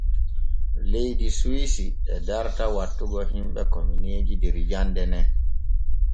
Leydi Suwisi e darta wattugo himɓe kominiiji der jande ne.